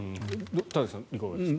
田崎さん、いかがですか？